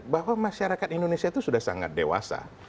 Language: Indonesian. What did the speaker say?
bahwa masyarakat indonesia itu sudah sangat dewasa